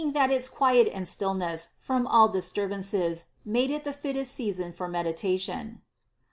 441 that its quiet and stillness from all disturbances made it the fittest season for meditation.